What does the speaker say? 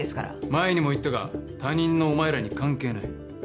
前にも言ったが他人のお前らに関係ない。